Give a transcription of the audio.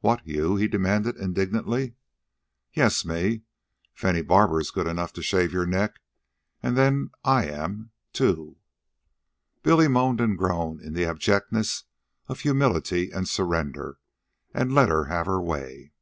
"What? you?" he demanded indignantly. "Yes; me. If any barber is good enough to shave your neck, and then I am, too." Billy moaned and groaned in the abjectness of humility and surrender, and let her have her way.